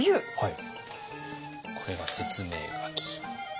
これが説明書き。